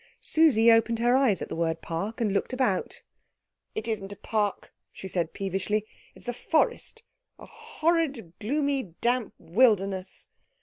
Susie opened her eyes at the word park, and looked about. "It isn't a park," she said peevishly, "it's a forest a horrid, gloomy, damp wilderness."